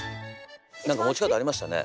何か持ち方ありましたね。